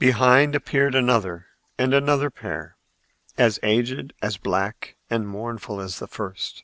Behind appeared another and another pair, as aged, as black and mournful as the first.